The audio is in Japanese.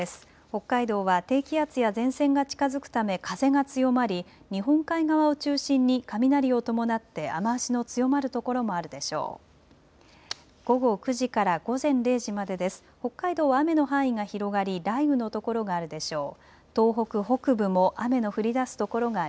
北海道は低気圧や前線が近づくため風が強まり日本海側を中心に雷を伴って雨足の強まる所もあるでしょう。